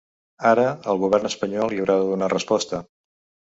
Ara, el govern espanyol hi haurà de donar resposta.